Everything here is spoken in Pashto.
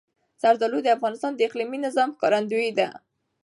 زردالو د افغانستان د اقلیمي نظام ښکارندوی ده.